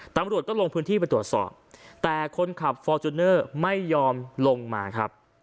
ตำรวจก็ลงพื้นที่ไปตรวจสอบแต่คนขับฟอร์จูเนอร์ไม่ยอมลงมาครับ